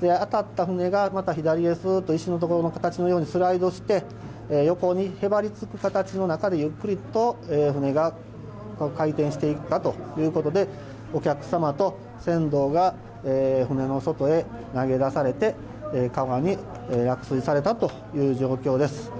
当たった船が左へスーッと石のところの形にスライドして横にへばりつく形の中でゆっくりと船が回転していったということでお客様と船頭が船の外へ投げ出されて川に落水されたという状況です。